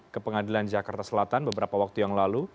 ke pengadilan jakarta selatan beberapa waktu yang lalu